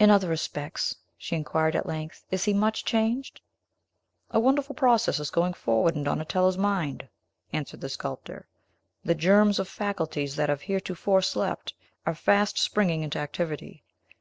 "In other respects," she inquired at length, "is he much changed?" "A wonderful process is going forward in Donatello's mind," answered the sculptor. "The germs of faculties that have heretofore slept are fast springing into activity.